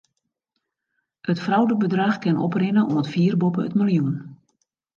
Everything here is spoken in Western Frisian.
It fraudebedrach kin oprinne oant fier boppe it miljoen.